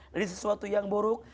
dari sesuatu yang buruk